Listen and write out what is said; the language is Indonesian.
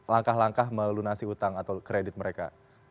langkah langkah melunasi utang atau kredit mereka